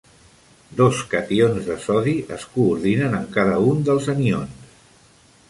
Dos cations de sodi es coordinen amb cada un dels anions.